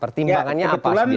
pertimbangannya apa biasanya